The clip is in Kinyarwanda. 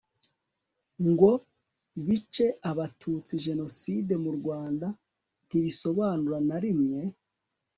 ngo bice Abatutsi Jenoside mu Rwanda ntisobanura na rimwe